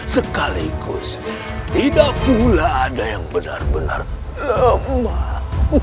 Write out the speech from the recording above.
sekaligus tidak pula ada yang benar benar lemah